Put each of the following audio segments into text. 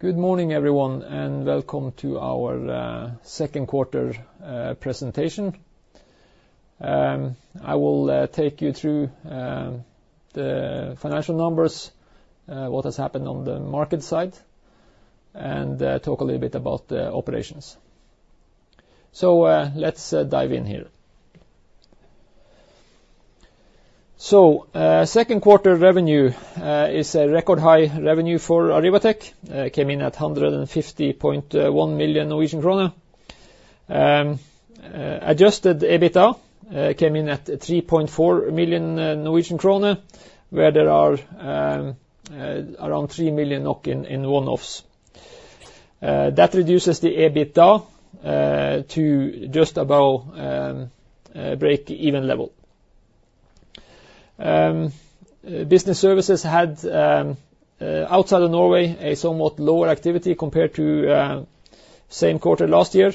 Good morning, everyone, and welcome to our second quarter presentation. I will take you through the financial numbers, what has happened on the market side, and talk a little bit about the operations. So, let's dive in here. Second quarter revenue is a record high revenue for Arribatec, came in at 150.1 million Norwegian kroner. Adjusted EBITDA came in at 3.4 million Norwegian kroner, where there are around 3 million in one-offs. That reduces the EBITDA to just above break-even level. Business services had, outside of Norway, a somewhat lower activity compared to same quarter last year.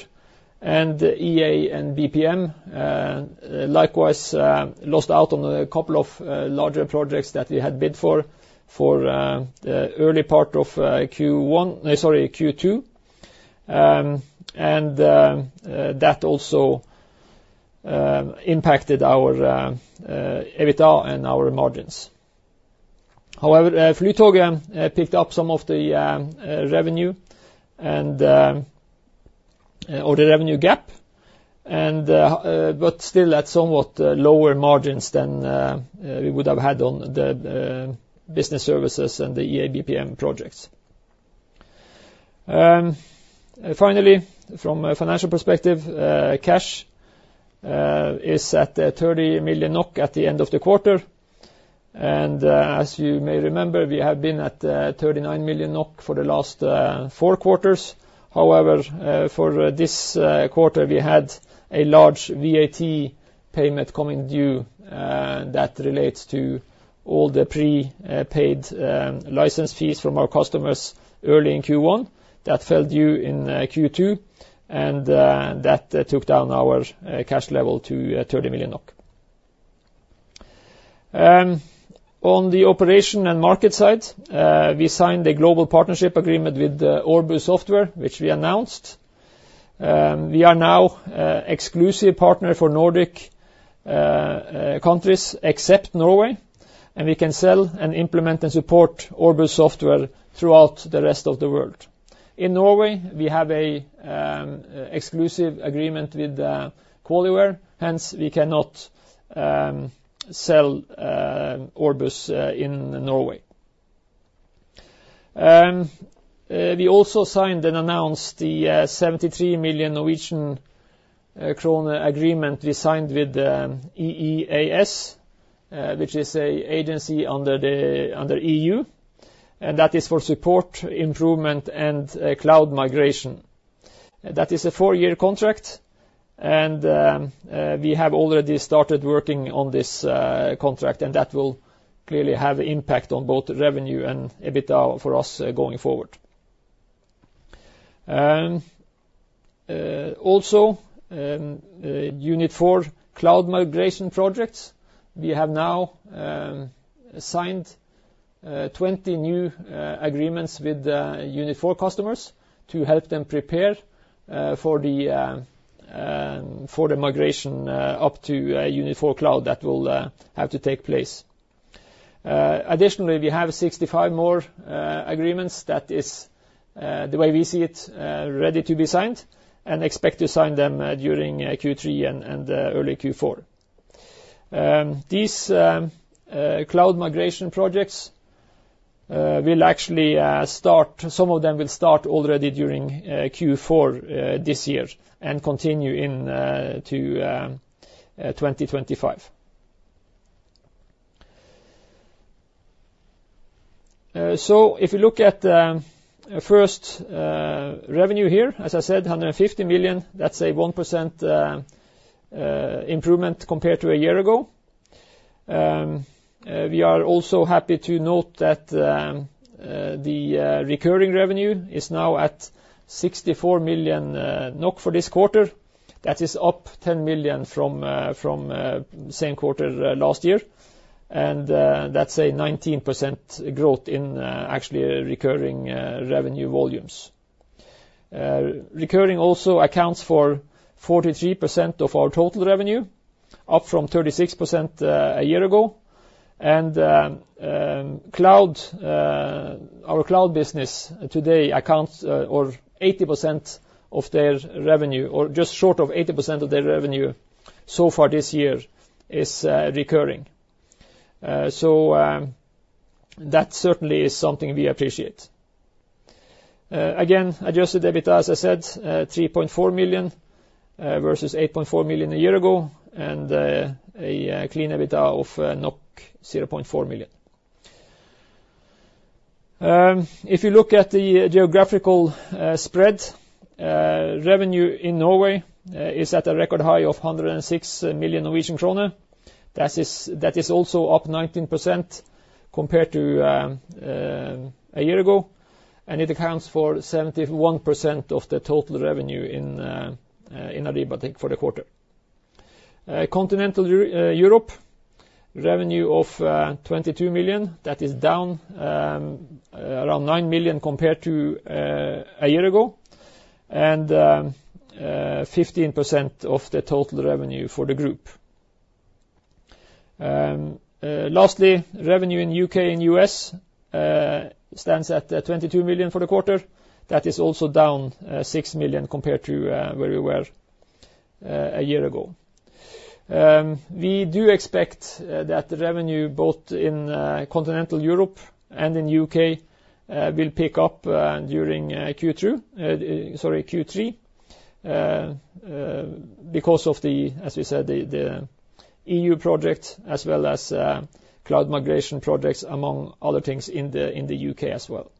EA and BPM likewise lost out on a couple of larger projects that we had bid for for the early part of Q1—sorry, Q2. And that also impacted our EBITDA and our margins. However, Flytoget picked up some of the revenue and... or the revenue gap, and but still at somewhat lower margins than we would have had on the business services and the EA BPM projects. Finally, from a financial perspective, cash is at 30 million NOK at the end of the quarter. And as you may remember, we have been at 39 million NOK for the last four quarters. However, for this quarter, we had a large VAT payment coming due that relates to all the prepaid license fees from our customers early in Q1. That fell due in Q2, and that took down our cash level to 30 million NOK. On the operation and market side, we signed a global partnership agreement with Orbus Software, which we announced. We are now exclusive partner for Nordic countries, except Norway, and we can sell, and implement, and support Orbus Software throughout the rest of the world. In Norway, we have a exclusive agreement with QualiWare, hence we cannot sell Orbus in Norway. We also signed and announced the 73 million Norwegian krone agreement we signed with EEAS, which is an agency under the EU, and that is for support, improvement, and cloud migration. That is a four-year contract, and we have already started working on this contract, and that will clearly have impact on both revenue and EBITDA for us going forward. Also, Unit4 Cloud Migration Projects, we have now signed 20 new agreements with Unit4 customers to help them prepare for the migration up to a Unit4 Cloud that will have to take place. Additionally, we have 65 more agreements that is the way we see it ready to be signed, and expect to sign them during Q3 and early Q4. These cloud migration projects will actually start, some of them will start already during Q4 this year and continue into 2025. So if you look at the first revenue here, as I said, 150 million, that's a 1% improvement compared to a year ago. We are also happy to note that the recurring revenue is now at 64 million NOK for this quarter. That is up 10 million from same quarter last year, and that's a 19% growth in actually recurring revenue volumes. Recurring also accounts for 43% of our total revenue, up from 36% a year ago. And cloud, our cloud business today accounts or 80% of their revenue, or just short of 80% of their revenue so far this year is recurring. So that certainly is something we appreciate. Again, Adjusted EBITDA, as I said, 3.4 million versus 8.4 million a year ago, and a clean EBITDA of 0.4 million. If you look at the geographical spread, revenue in Norway is at a record high of 106 million Norwegian kroner. That is, that is also up 19% compared to a year ago, and it accounts for 71% of the total revenue in Arribatec, I think, for the quarter. Continental Europe, revenue of 22 million, that is down around 9 million compared to a year ago, and 15% of the total revenue for the group. Lastly, revenue in U.K. and U.S. stands at 22 million for the quarter. That is also down 6 million compared to where we were a year ago. We do expect that the revenue, both in Continental Europe and in U.K., will pick up during Q3 because of the, as we said, the EU project, as well as cloud migration projects, among other things in the UK as well.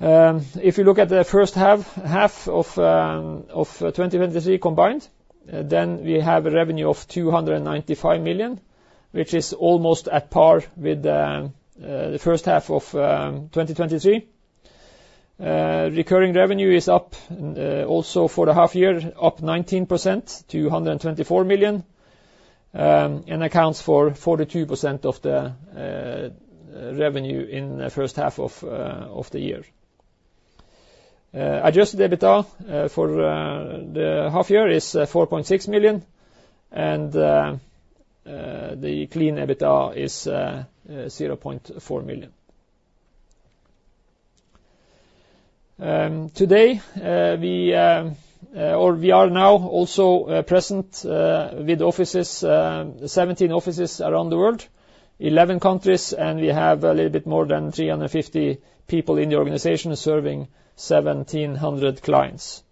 If you look at the first half of 2023 combined, then we have a revenue of 295 million, which is almost at par with the first half of 2023. Recurring revenue is up also for the half year, up 19% to 124 million, and accounts for 42% of the revenue in the first half of the year. Adjusted EBITDA for the half year is 4.6 million, and the clean EBITDA is NOK 0.4 million. Today we or we are now also present with offices, 17 offices around the world, 11 countries, and we have a little bit more than 350 people in the organization serving 1,700 clients.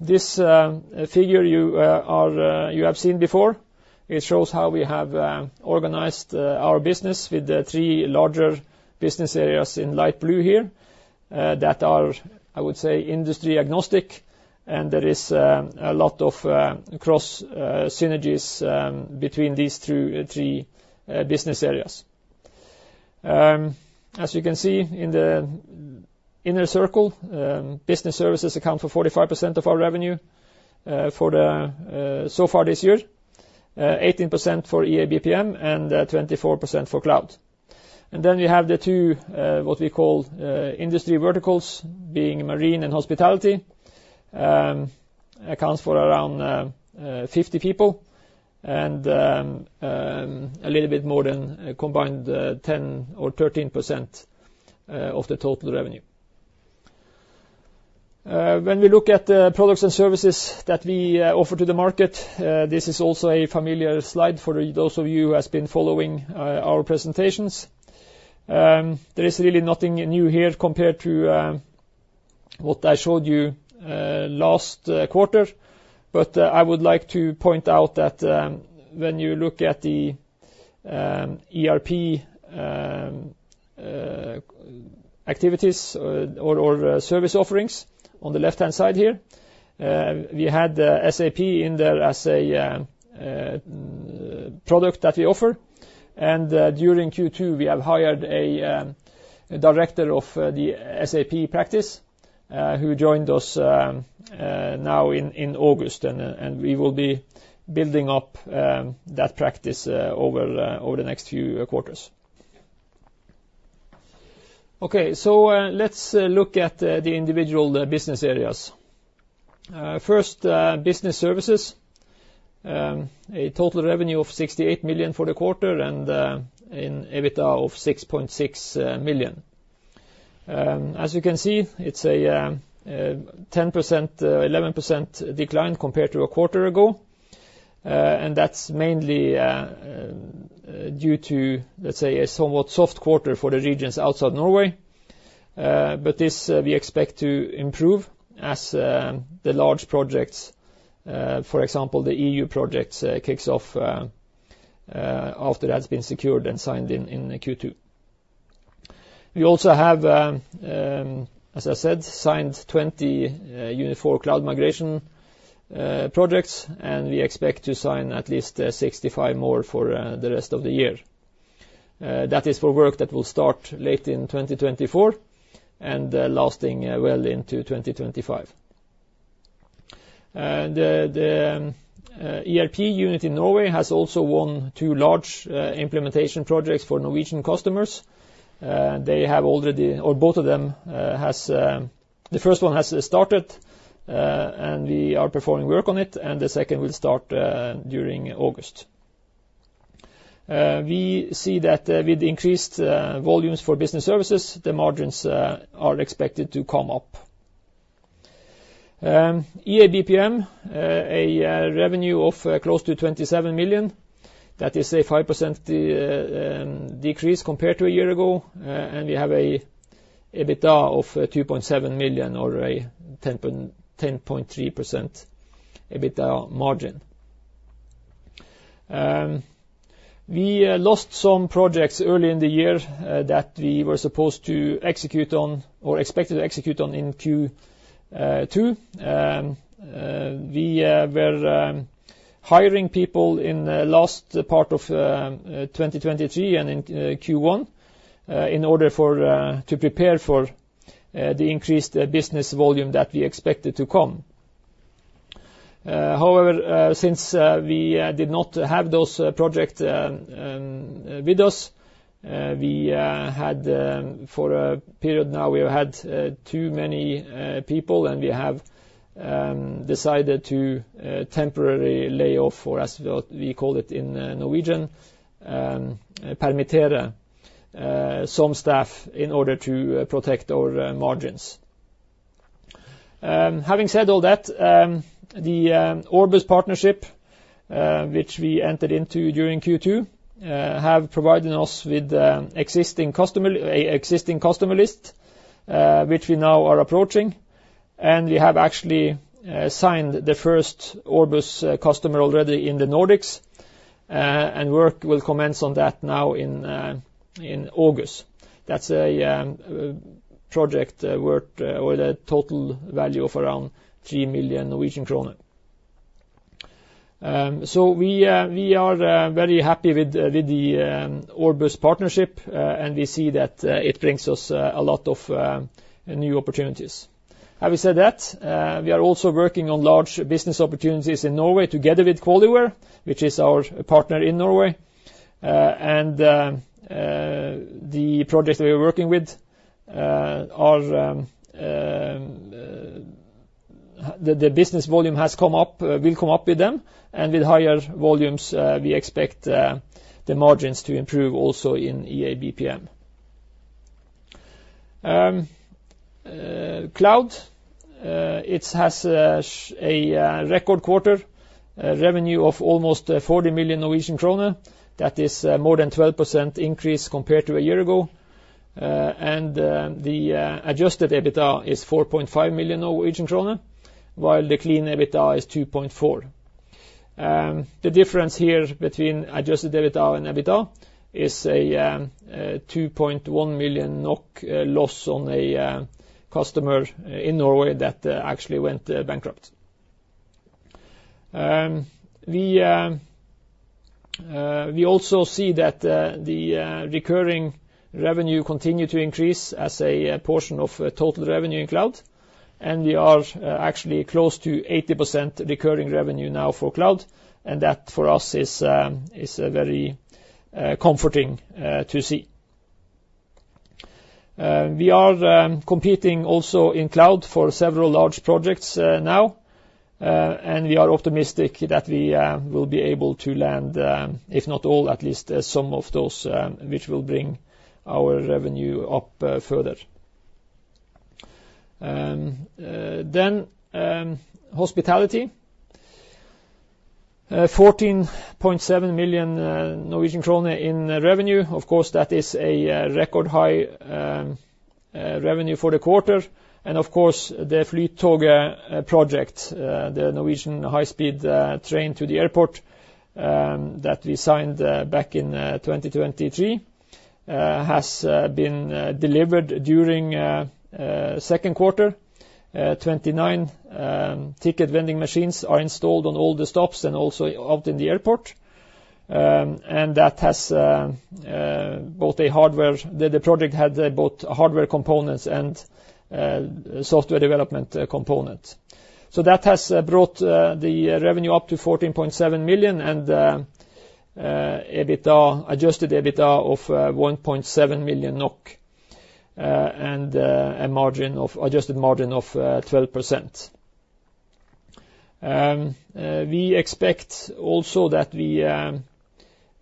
This figure you have seen before. It shows how we have organized our business with the three larger business areas in light blue here that are, I would say, industry agnostic, and there is a lot of cross synergies between these two three business areas. As you can see in the inner circle, business services account for 45% of our revenue, for the so far this year, 18% for EA & BPM, and 24% for cloud. And then we have the two what we call industry verticals, being marine and hospitality, accounts for around 50 people, and a little bit more than a combined 10 or 13% of the total revenue. When we look at the products and services that we offer to the market, this is also a familiar slide for those of you who has been following our presentations. There is really nothing new here compared to what I showed you last quarter. But, I would like to point out that, when you look at the ERP activities or service offerings on the left-hand side here, we had SAP in there as a product that we offer. And, during Q2, we have hired a director of the SAP practice, who joined us now in August, and we will be building up that practice over the next few quarters. Okay, so, let's look at the individual business areas. First, business services, a total revenue of 68 million for the quarter and an EBITDA of 6.6 million. As you can see, it's a 10%, 11% decline compared to a quarter ago, and that's mainly due to, let's say, a somewhat soft quarter for the regions outside Norway. But this we expect to improve as the large projects, for example, the EU projects, kicks off after that's been secured and signed in Q2. We also have, as I said, signed 20 Unit4 Cloud Migration projects, and we expect to sign at least 65 more for the rest of the year. That is for work that will start late in 2024, and lasting well into 2025. And the ERP unit in Norway has also won two large implementation projects for Norwegian customers. They have already, or both of them, has. The first one has started, and we are performing work on it, and the second will start during August. We see that with increased volumes for business services, the margins are expected to come up. EA & BPM, a revenue of close to 27 million, that is a 5% decrease compared to a year ago, and we have an EBITDA of 2.7 million, or a 10.3% EBITDA margin. We lost some projects early in the year that we were supposed to execute on or expected to execute on in Q2. We were... Hiring people in the last part of 2023 and in Q1 in order to prepare for the increased business volume that we expected to come. However, since we did not have those projects with us, we had for a period now, we have had too many people, and we have decided to temporarily lay off, or as we call it in Norwegian, some staff in order to protect our margins. Having said all that, the Orbus partnership, which we entered into during Q2, have provided us with an existing customer list, which we now are approaching, and we have actually signed the first Orbus customer already in the Nordics. And work will commence on that now in August. That's a project worth with a total value of around 3 million Norwegian kroner. So we are very happy with the Orbus partnership, and we see that it brings us a lot of new opportunities. Having said that, we are also working on large business opportunities in Norway, together with QualiWare, which is our partner in Norway. The business volume has come up, will come up with them, and with higher volumes, we expect the margins to improve also in EA & BPM. Cloud, it has a record quarter revenue of almost 40 million Norwegian kroner. That is more than 12% increase compared to a year ago. And the adjusted EBITDA is 4.5 million Norwegian krone, while the clean EBITDA is 2.4 million. The difference here between adjusted EBITDA and EBITDA is a 2.1 million NOK loss on a customer in Norway that actually went bankrupt. We also see that the recurring revenue continue to increase as a portion of total revenue in Cloud, and we are actually close to 80% recurring revenue now for Cloud, and that, for us, is very comforting to see. We are competing also in Cloud for several large projects now, and we are optimistic that we will be able to land, if not all, at least some of those, which will bring our revenue up further. Then, Hospitality, 14.7 million Norwegian krone in revenue. Of course, that is a record-high revenue for the quarter. And, of course, the Flytoget project, the Norwegian high-speed train to the airport, that we signed back in 2023, has been delivered during second quarter. Twenty-nine ticket vending machines are installed on all the stops and also out in the airport. That has both hardware components and software development components. So that has brought the revenue up to 14.7 million, and adjusted EBITDA of 1.7 million NOK, and an adjusted margin of 12%. We expect also that we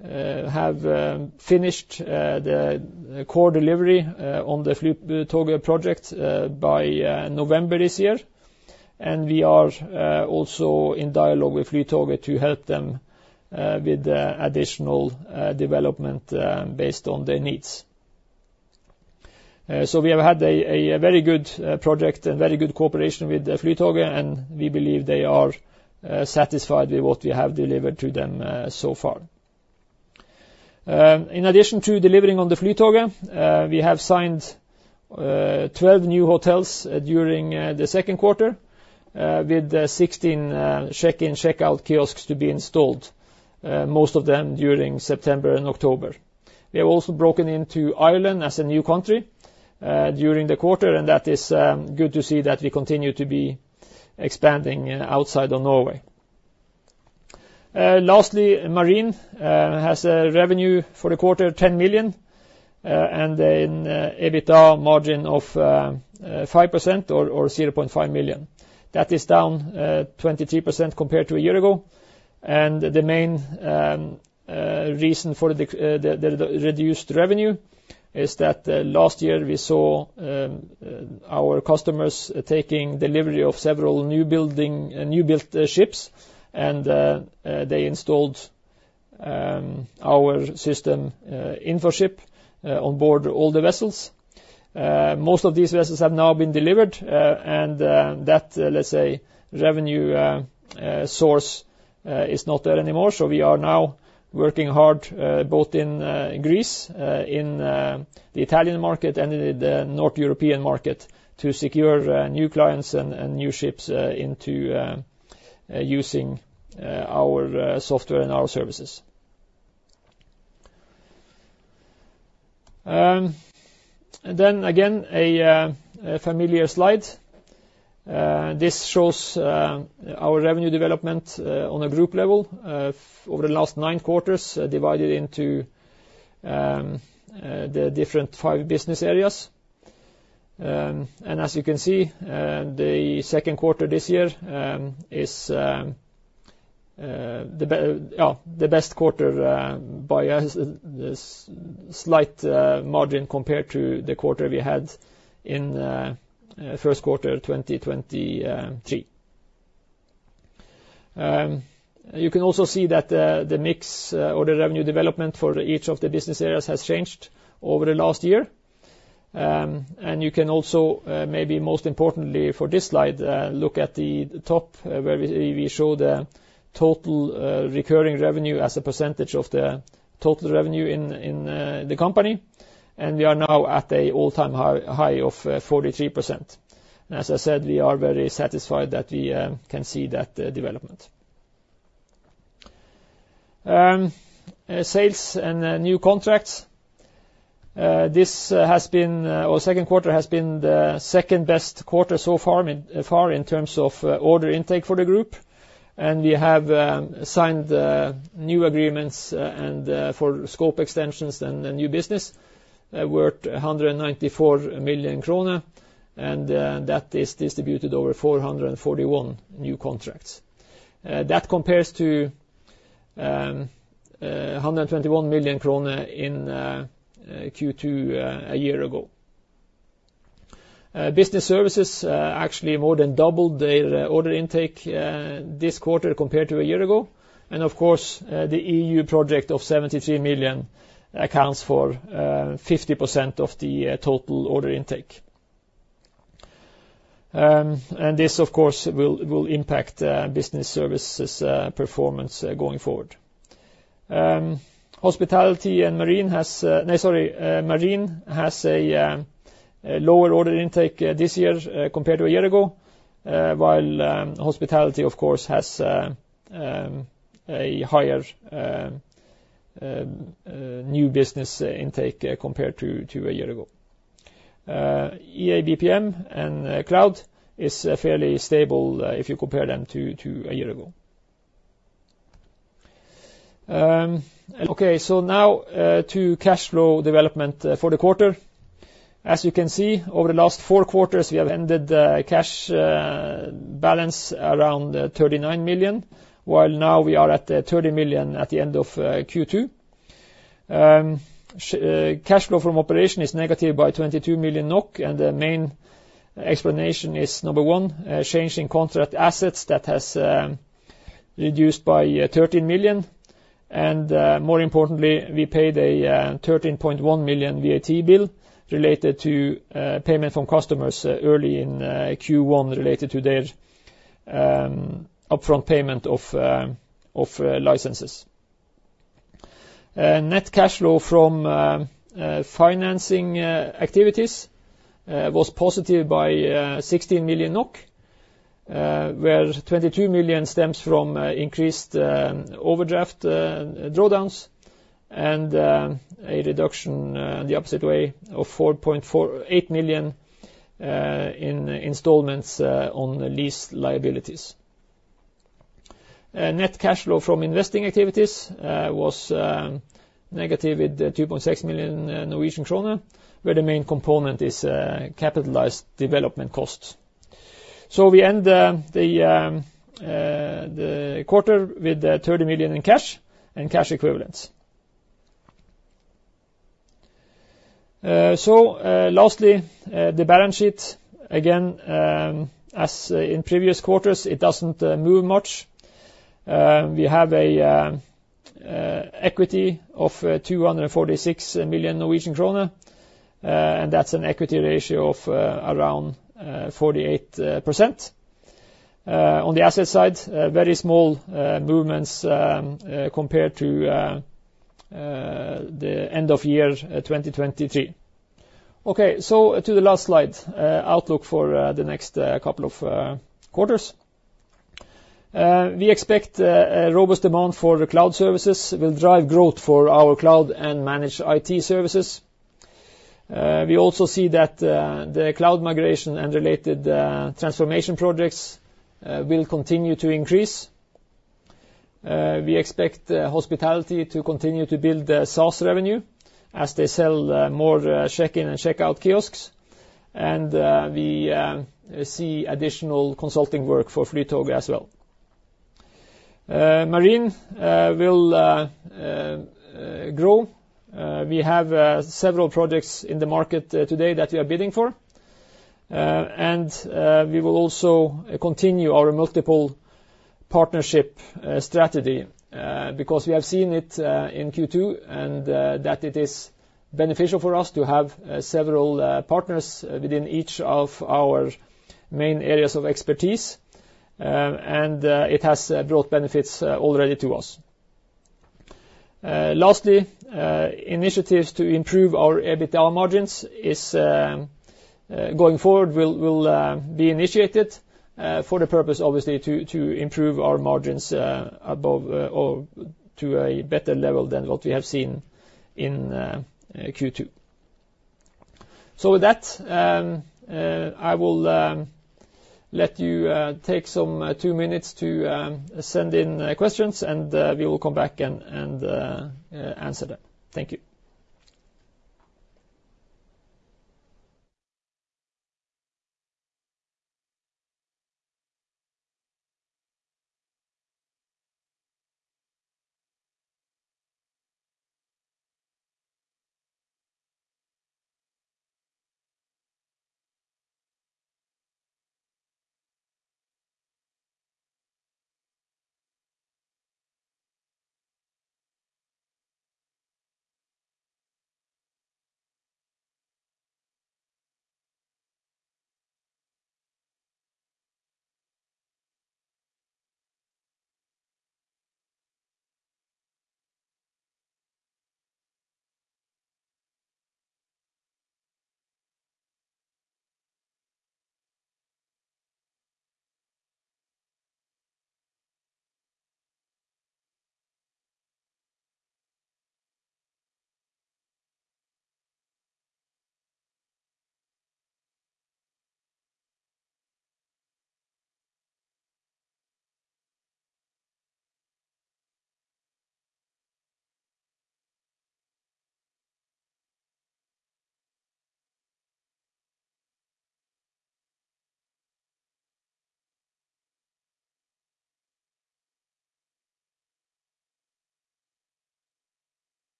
have finished the core delivery on the Flytoget project by November this year. And we are also in dialogue with Flytoget to help them with additional development based on their needs. So we have had a very good project and very good cooperation with Flytoget, and we believe they are satisfied with what we have delivered to them so far. In addition to delivering on the Flytoget, we have signed 12 new hotels during the second quarter with 16 check-in, check-out kiosks to be installed, most of them during September and October. We have also broken into Ireland as a new country during the quarter, and that is good to see that we continue to be expanding outside of Norway. Lastly, Marine has a revenue for the quarter, 10 million, and an EBITDA margin of 5% or 0.5 million. That is down 23% compared to a year ago. The main reason for the reduced revenue is that last year, we saw our customers taking delivery of several new-built ships, and they installed our system Infoship on board all the vessels. Most of these vessels have now been delivered, and that, let's say, revenue source is not there anymore. So we are now working hard both in Greece in the Italian market and in the North European market to secure new clients and new ships into using our software and our services. And then again, a familiar slide. This shows our revenue development on a group level over the last 9 quarters, divided into the different five business areas. And as you can see, the second quarter this year is the best quarter by a slight margin compared to the quarter we had in first quarter 2023. You can also see that the mix or the revenue development for each of the business areas has changed over the last year. And you can also, maybe most importantly, for this slide, look at the top where we show the total recurring revenue as a percentage of the total revenue in the company. And we are now at an all-time high of 43%. As I said, we are very satisfied that we can see that development. Sales and new contracts. This has been our second quarter has been the second best quarter so far in terms of order intake for the group. And we have signed the new agreements and for scope extensions and the new business worth 194 million kroner, and that is distributed over 441 new contracts. That compares to 121 million krone in Q2 a year ago. Business services actually more than doubled their order intake this quarter compared to a year ago. And of course, the EU project of 73 million accounts for 50% of the total order intake. And this, of course, will impact business services performance going forward. Hospitality and marine has. No, sorry, marine has a lower order intake this year compared to a year ago, while hospitality, of course, has a higher new business intake compared to a year ago. EA & BPM and cloud is fairly stable if you compare them to a year ago. Okay, so now to cash flow development for the quarter. As you can see, over the last four quarters, we have ended cash balance around 39 million, while now we are at 30 million at the end of Q2. Cash flow from operation is negative by 22 million NOK, and the main explanation is, number one, a change in contract assets that has reduced by 13 million. And, more importantly, we paid a 13.1 million VAT bill related to payment from customers early in Q1, related to their upfront payment of licenses. Net cash flow from financing activities was positive by 16 million NOK, where 22 million stems from increased overdraft drawdowns, and a reduction the opposite way of 4.48 million in installments on the lease liabilities. Net cash flow from investing activities was negative with 2.6 million Norwegian kroner, where the main component is capitalized development costs. So we end the quarter with 30 million in cash and cash equivalents. So lastly the balance sheet. Again, as in previous quarters, it doesn't move much. We have equity of 246 million Norwegian krone, and that's an equity ratio of around 48%. On the asset side, very small movements compared to the end of year 2023. Okay, to the last slide, outlook for the next couple of quarters. We expect a robust demand for the cloud services will drive growth for our cloud and managed IT services. We also see that the cloud migration and related transformation projects will continue to increase. We expect hospitality to continue to build the SaaS revenue as they sell more check-in and checkout kiosks. And we see additional consulting work for Flytoget as well. Marine will grow. We have several projects in the market today that we are bidding for. And we will also continue our multiple partnership strategy because we have seen it in Q2, and that it is beneficial for us to have several partners within each of our main areas of expertise. And it has brought benefits already to us. Lastly, initiatives to improve our EBITDA margins is going forward will be initiated for the purpose, obviously, to improve our margins above or to a better level than what we have seen in Q2. So with that, I will let you take 2 minutes to send in questions, and we will come back and answer them. Thank you.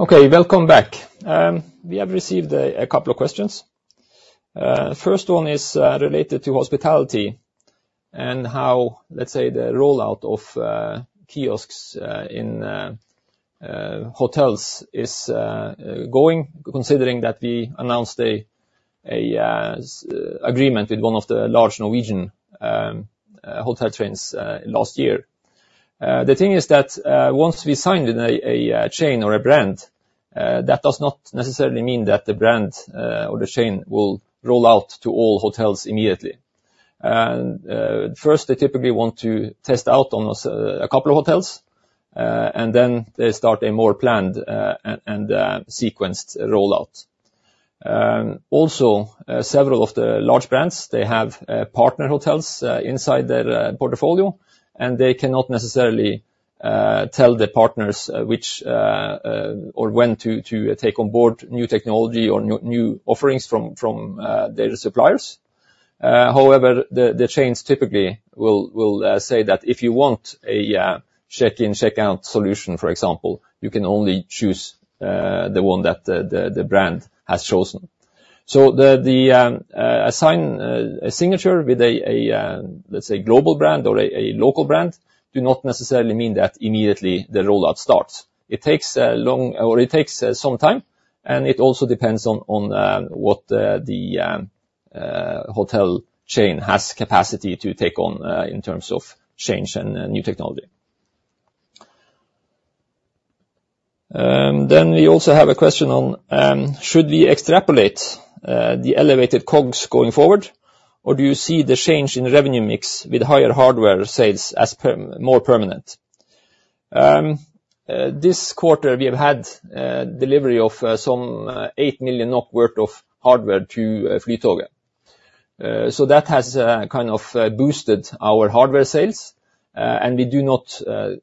Okay, welcome back. We have received a couple of questions. First one is related to hospitality and how, let's say, the rollout of kiosks in hotels is going, considering that we announced an agreement with one of the large Norwegian hotel chains last year. The thing is that, once we signed in a chain or a brand, that does not necessarily mean that the brand or the chain will roll out to all hotels immediately. First, they typically want to test out on a couple of hotels, and then they start a more planned and sequenced rollout. Also, several of the large brands, they have partner hotels inside their portfolio, and they cannot necessarily tell their partners which or when to take on board new technology or new offerings from their suppliers. However, the chains typically will say that if you want a check-in, check-out solution, for example, you can only choose the one that the brand has chosen. So a signature with a, let's say, global brand or a local brand do not necessarily mean that immediately the rollout starts. It takes some time, and it also depends on what the hotel chain has capacity to take on in terms of change and new technology. Then we also have a question on: Should we extrapolate the elevated COGS going forward, or do you see the change in revenue mix with higher hardware sales as more permanent? This quarter, we have had delivery of some 8 million NOK worth of hardware to Flytoget. So that has kind of boosted our hardware sales, and we do not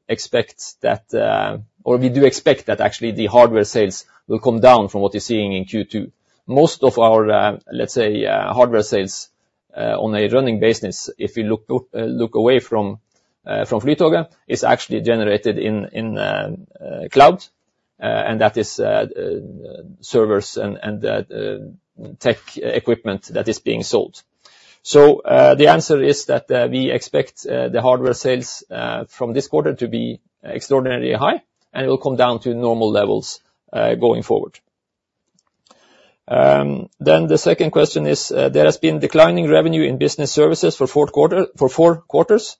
expect that, or we do expect that actually the hardware sales will come down from what you're seeing in Q2. Most of our, let's say, hardware sales, on a running basis, if you look away from Flytoget, is actually generated in cloud, and that is servers and tech equipment that is being sold. So the answer is that we expect the hardware sales from this quarter to be extraordinarily high, and it will come down to normal levels going forward. Then the second question is, there has been declining revenue in business services for fourth quarter, for four quarters.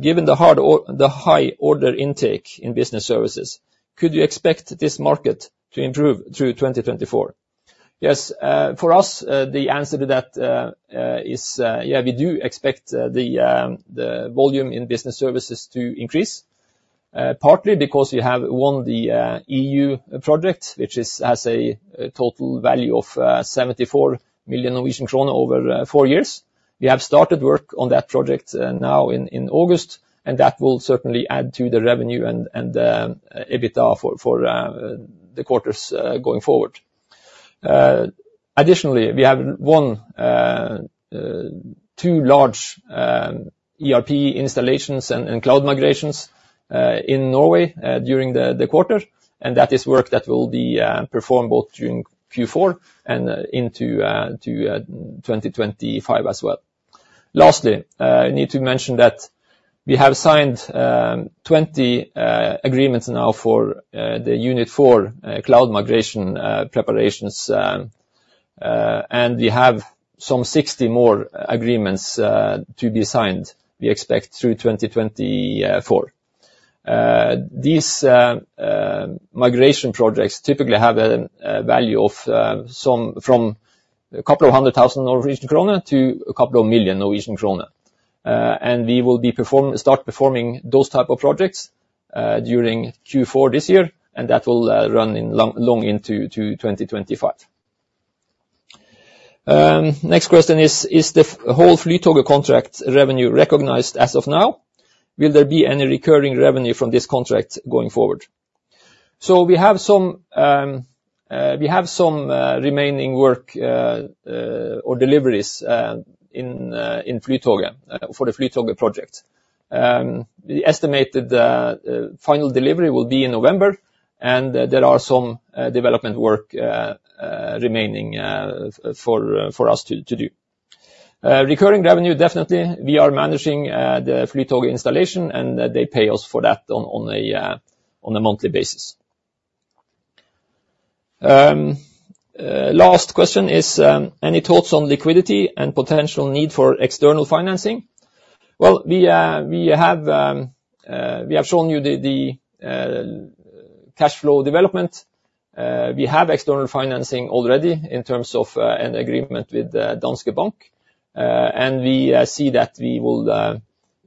Given the high order intake in business services, could you expect this market to improve through 2024? Yes, for us, the answer to that is, yeah, we do expect the volume in business services to increase, partly because we have won the EU project, which has a total value of 74 million Norwegian kroner over 4 years. We have started work on that project now in August, and that will certainly add to the revenue and EBITDA for the quarters going forward. Additionally, we have won two large ERP installations and cloud migrations in Norway during the quarter, and that is work that will be performed both during Q4 and into 2025 as well. Lastly, I need to mention that we have signed 20 agreements now for the Unit4 Cloud migration preparations, and we have some 60 more agreements to be signed, we expect, through 2024. These migration projects typically have a value of from 200,000 Norwegian kroner to 2 million Norwegian kroner. And we will start performing those type of projects during Q4 this year, and that will run long into 2025. Next question is, is the whole Flytoget contract revenue recognized as of now? Will there be any recurring revenue from this contract going forward? So we have some remaining work or deliveries in Flytoget for the Flytoget project. The estimated final delivery will be in November, and there are some development work remaining for us to do. Recurring revenue, definitely. We are managing the Flytoget installation, and they pay us for that on a monthly basis. Last question is, any thoughts on liquidity and potential need for external financing? Well, we have shown you the cash flow development. We have external financing already in terms of an agreement with Danske Bank. And we see that we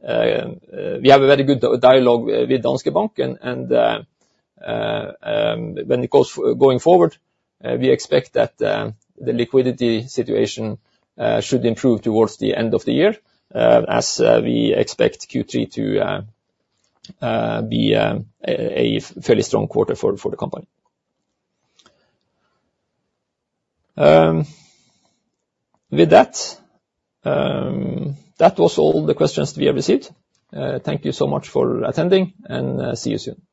have a very good dialogue with Danske Bank, and going forward, we expect that the liquidity situation should improve towards the end of the year, as we expect Q3 to be a fairly strong quarter for the company. With that, that was all the questions we have received. Thank you so much for attending, and see you soon.